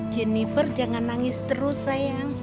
jennifer jangan nangis terus sayang